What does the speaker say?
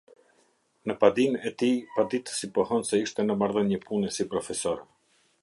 Në padinë e tij, paditësi pohon se ishte në marrëdhënie pune si profesor.